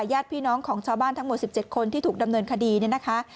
ญาติพี่น้องของชาวบ้านทั้งหมด๑๗คนที่ถูกดำเนินคดีเนี่ยนะคะ